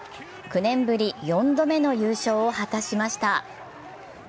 ９年ぶり４度目の優勝を果たしました。